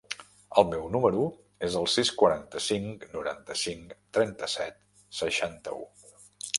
El meu número es el sis, quaranta-cinc, noranta-cinc, trenta-set, seixanta-u.